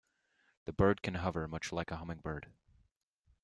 The bird can hover, much like a hummingbird.